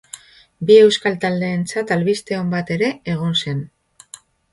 Bi euskal taldeentzat albiste on bat ere egon zen.